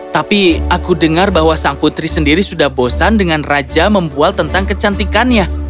tapi aku dengar bahwa sang putri sendiri sudah bosan dengan raja membual tentang kecantikannya